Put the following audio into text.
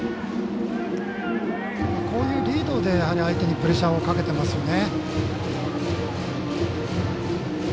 こういうリードで相手にプレッシャーをかけていますね。